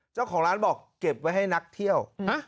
เจ้าของร้านบอกเก็บไว้ให้นักเที่ยว